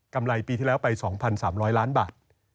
ไรปีที่แล้วไป๒๓๐๐ล้านบาท